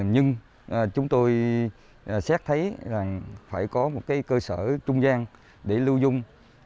nhưng chúng tôi xét thấy là phải có một cơ sở trung gian để lưu dung